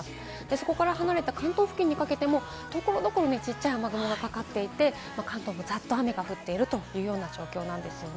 そこから離れた関東付近にかけても所々ちっちゃな雨雲がかかっていて、関東もざっと雨が降っているというような状況なんです。